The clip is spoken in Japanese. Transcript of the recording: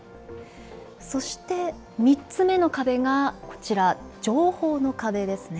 そして３つ目の壁がこちら、情報の壁ですね。